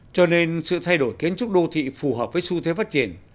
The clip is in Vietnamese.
cho nên sự thay đổi kiến trúc đô thị phù hợp với xu thế phát triển